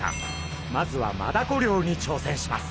まずはマダコ漁にちょうせんします！